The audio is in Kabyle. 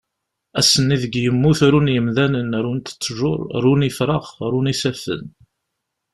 Ass-nni deg yemmut run yemdanen, runt tjuṛ, run ifrax, run isaffen.